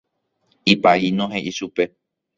Ipaíno he'i chupe.